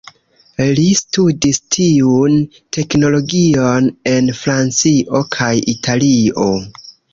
Li studis tiun teknologion en Francio kaj Italio.